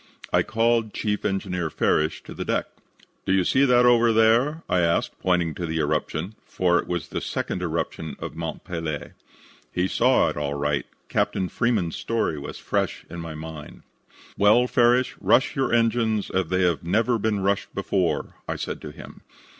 I called Chief Engineer Farrish to the deck. "'Do you see that over there?' I asked, pointing to the eruption, for it was the second eruption of Mont Pelee. He saw it all right. Captain Freeman's story was fresh in my mind. "'Well, Farrish, rush your engines as they have never been rushed before,' I said to him.